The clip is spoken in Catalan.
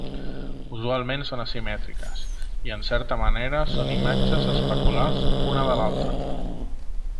Usualment són asimètriques i, en certa manera, són imatges especulars una de l'altra.